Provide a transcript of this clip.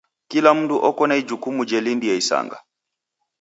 Kila mndu oko na ijukumu jelindia isanga.